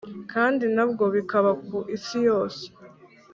kandi na byo bikaba ku isi yose.